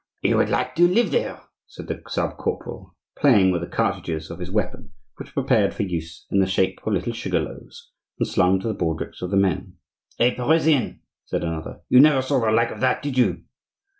"He would like to live there," said the sub corporal, playing with the cartridges of his weapon, which were prepared for use in the shape of little sugar loaves, and slung to the baldricks of the men. "Hey, Parisian!" said another; "you never saw the like of that, did you?"